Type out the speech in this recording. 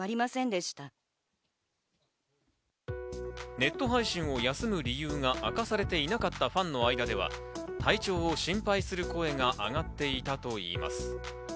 ネット配信を休む理由が明かされていなかったファンの間では体調を心配する声が上がっていたといいます。